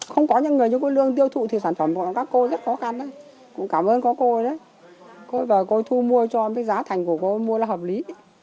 không có những người như cô lương tiêu thụ thì sản phẩm của các cô rất khó khăn cũng cảm ơn có cô đấy cô thu mua cho giá thành của cô mua là hợp lý